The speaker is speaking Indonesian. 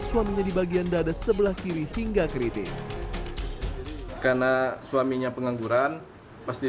suaminya di bagian dada sebelah kiri hingga kritis karena suaminya pengangguran pasti